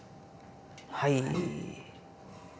はい。